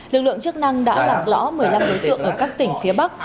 lực lượng chức năng đã làm rõ một mươi năm đối tượng ở các tỉnh phía bắc